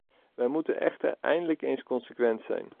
Wij moeten echter eindelijk eens consequent zijn.